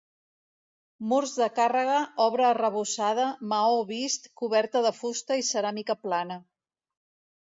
Murs de càrrega, obra arrebossada, maó vist, coberta de fusta i ceràmica plana.